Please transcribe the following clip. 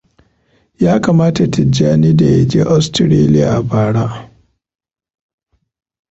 Ya kamata Tijjani daya je Austaraliya a bara.